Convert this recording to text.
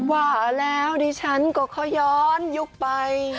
ว่าแล้วดิฉันก็ขอย้อนยุคไป